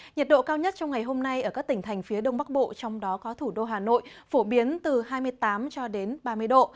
nhiệt độ cao nhất trong ngày hôm nay ở các tỉnh thành phía đông bắc bộ trong đó có thủ đô hà nội phổ biến từ hai mươi tám cho đến ba mươi độ